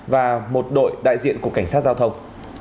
và một đội đại diện của cảnh sát giao thông